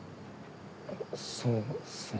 そうっすね。